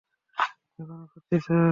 এখনও খুঁজছি, স্যার।